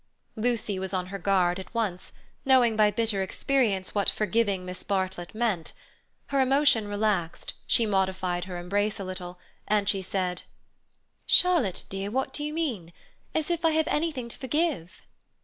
Lucy was on her guard at once, knowing by bitter experience what forgiving Miss Bartlett meant. Her emotion relaxed, she modified her embrace a little, and she said: "Charlotte dear, what do you mean? As if I have anything to forgive!"